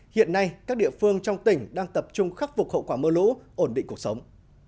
hiện nay các địa phương trong tỉnh đang tập trung khắc phục hậu quả mưa lũ ổn định cuộc sống